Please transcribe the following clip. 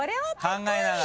考えながら。